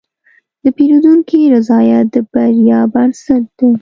د پیرودونکي رضایت د بریا بنسټ دی.